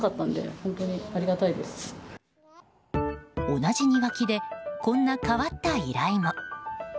同じ庭木でこんな変わった依頼も。